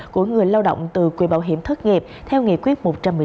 của người lao động từ quỹ bảo hiểm thất nghiệp theo nghị quyết một trăm một mươi năm